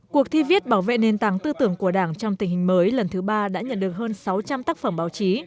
cuộc thi viết bảo vệ nền tảng tư tưởng của đảng trong tình hình mới lần thứ ba đã nhận được hơn sáu trăm linh tác phẩm báo chí